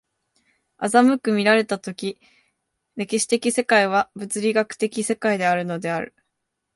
斯く見られた時、歴史的世界は物理学的世界であるのである、